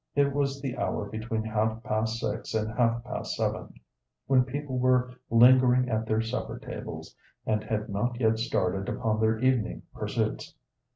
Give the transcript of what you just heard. It was the hour between half past six and half past seven, when people were lingering at their supper tables, and had not yet started upon their evening pursuits.